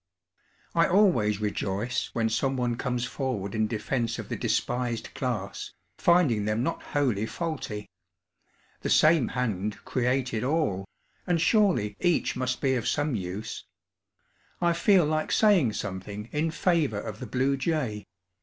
I always rejoice when someone comes forward in defense of the despised class, finding them not wholly faulty. The same hand created all, and surely each must be of some use. I feel like saying something in favor of the blue jay.